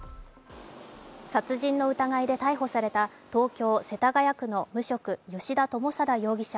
殺人の疑いで逮捕された東京・世田谷区の無職、吉田友貞容疑者